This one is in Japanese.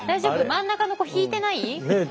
真ん中の子引いてない？ねえ。